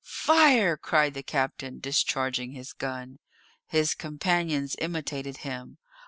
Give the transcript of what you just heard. "Fire!" cried the captain, discharging his gun. His companions imitated him.